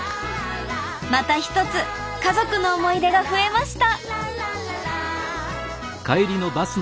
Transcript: また一つ家族の思い出が増えました！